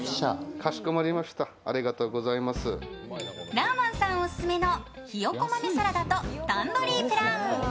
ラーマンさんオススメのひよこ豆サラダとタンドリープラウン。